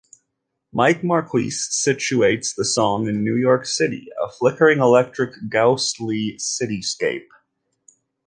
Mike Marqusee situates the song in New York City, "a flickering, electric, ghostly, cityscape".